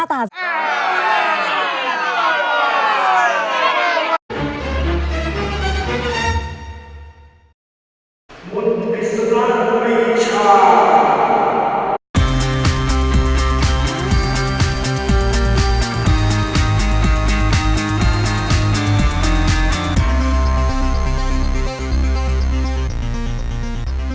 โปรดติดตามตอนต่อไป